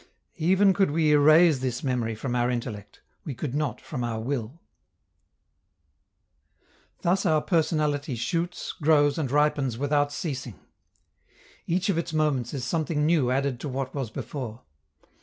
Even could we erase this memory from our intellect, we could not from our will. Thus our personality shoots, grows and ripens without ceasing. Each of its moments is something new added to what was before.